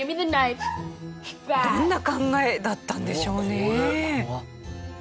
どんな考えだったんでしょうね？